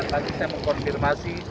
tadi saya mengkonfirmasi